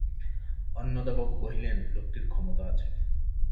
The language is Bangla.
অন্নদাবাবু কহিলেন, লোকটির ক্ষমতা আছে।